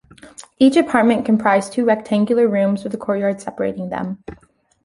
Each apartment comprised two rectangular rooms with a courtyard separating them.